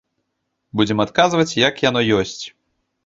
Будзем адказваць, як яно ёсць!